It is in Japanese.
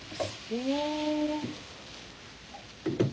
へえ。